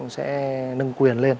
sẽ nâng quyền lên